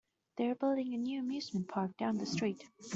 They're building a new amusement park down the street.